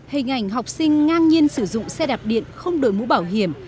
hình ảnh học sinh ngang nhiên sử dụng xe đạp điện không đổi mũ bảo hiểm